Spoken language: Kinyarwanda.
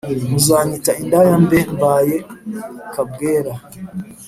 Muzanyita indaya Mbe mbaye kabwera